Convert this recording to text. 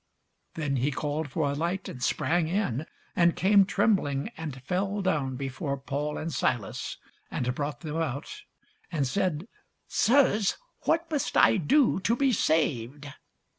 Then he called for a light, and sprang in, and came trembling, and fell down before Paul and Silas, and brought them out, and said, Sirs, what must I do to be saved?